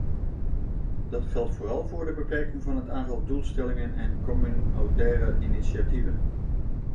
Dat geldt vooral voor de beperking van het aantal doelstellingen en communautaire initiatieven.